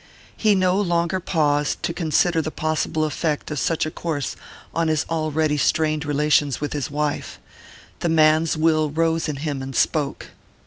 He no longer paused to consider the possible effect of such a course on his already strained relations with his wife: the man's will rose in him and spoke.